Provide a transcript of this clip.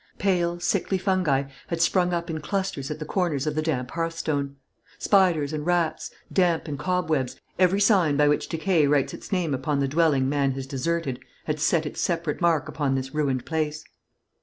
Pale, sickly fungi had sprung up in clusters at the corners of the damp hearthstone. Spiders and rats, damp and cobwebs, every sign by which Decay writes its name upon the dwelling man has deserted, had set its separate mark upon this ruined place.